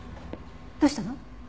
どうしたの？